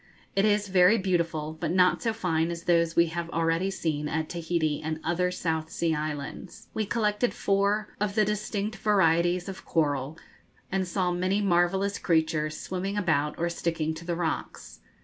It is very beautiful, but not so fine as those we have already seen at Tahiti and other South Sea Islands. We collected four or the distinct varieties of coral, and saw many marvellous creatures swimming about or sticking to the rocks.